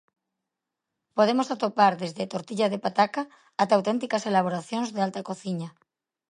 Podemos atopar desde tortilla de pataca até auténticas elaboracións de alta cociña.